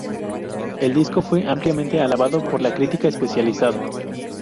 El disco fue ampliamente alabado por la crítica especializada.